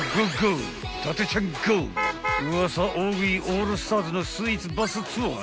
［ウワサ大食いオールスターズのスイーツバスツアー